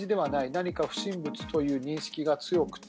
何か、不審物という認識が強くて。